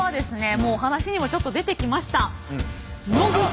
もう話にもちょっと出てきました